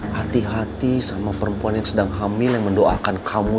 hati hati sama perempuan yang sedang hamil yang mendoakan kamu